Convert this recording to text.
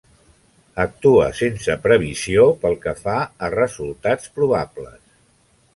Actua sense previsió pel que fa a resultats probables.